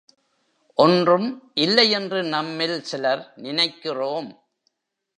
ஒன்றும் இல்லை என்று நம்மில் சிலர் நினைக்கிறோம்.